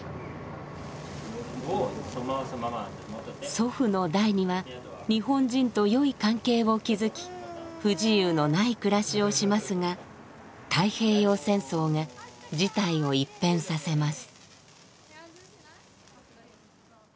祖父の代には日本人とよい関係を築き不自由のない暮らしをしますが太平洋戦争が事態を一変させます。